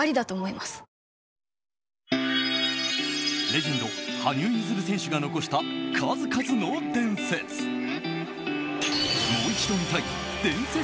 レジェンド、羽生結弦選手が残した数々の伝説。